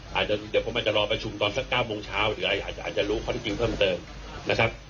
อาจจะเดี๋ยวผมอาจจะรอประชุมตอนสัก๙โมงเช้าหรืออะไรอาจจะอาจจะรู้ข้อที่จริงเพิ่มเติมนะครับ